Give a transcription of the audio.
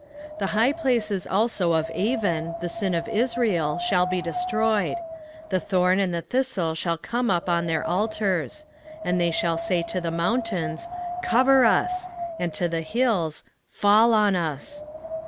10:8 The high places also of Aven, the sin of Israel, shall be destroyed: the thorn and the thistle shall come up on their altars; and they shall say to the mountains, Cover us; and to the hills, Fall on us.